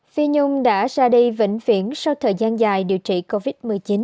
phi nhung đã ra đi vĩnh viễn sau thời gian dài điều trị covid một mươi chín